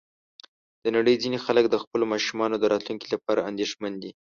د نړۍ ځینې خلک د خپلو ماشومانو د راتلونکي لپاره اندېښمن دي.